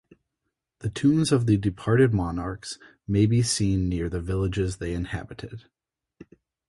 The tombs of the departed monarchs may be seen near the villages they inhabited.